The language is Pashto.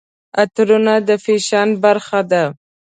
عطرونه د فیشن برخه ده.